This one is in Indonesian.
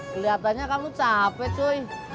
keliatannya kamu capek cuy